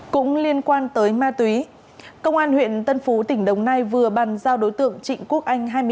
cũng liên quan tới ma túy công an huyện tân phú tỉnh đồng nai vừa bàn giao đối tượng trịnh quốc anh